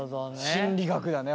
心理学だね